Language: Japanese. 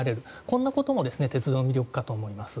こんなことも鉄道の魅力かと思います。